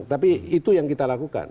tapi itu yang kita lakukan